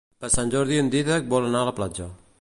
Per Sant Jordi en Dídac vol anar a la platja.